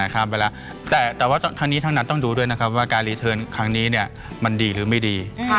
ข้ามไปแล้วแต่ว่าทั้งนี้ทั้งนั้นต้องดูด้วยนะครับว่าการรีเทิร์นครั้งนี้มันดีหรือไม่ดี